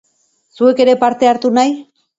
Zuk ere eparte hartu nahi?